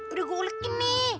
udah gua ulekin nih